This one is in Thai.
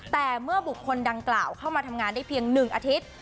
แต่เมื่อบุคคลดังกล่าวเข้ามาทำงานได้เพียง๑อาทิตย์